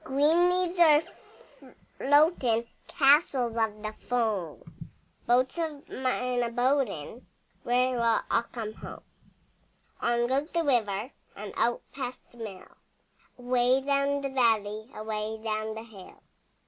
Green leaves a floating, Castles of the foam, Boats of mine a boating— Where will all come home? On goes the river And out past the mill, Away down the valley, Away down the hill.